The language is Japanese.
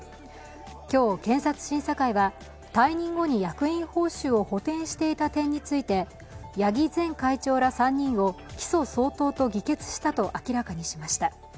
今日、検察審査会は退任後に役員報酬を補填していた点について、八木前会長ら３人を起訴相当と議決したと明らかにしました。